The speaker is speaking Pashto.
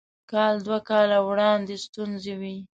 کال دوه کاله وړاندې ستونزې وې.